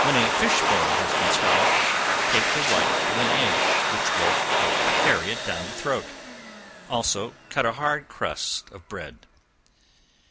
When a fish bone has been swallowed, take the white of an egg, which will help to carry it down the throat; also cut a hard crust of bread.